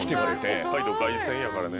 北海道凱旋やからね。